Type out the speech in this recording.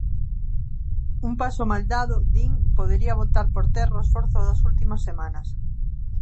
Un paso mal dado, din, podería botar por terra o esforzo das últimas semanas.